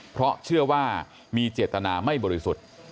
เพราะเชื่อว่ามีเจตนาไม่บริสุทธิ์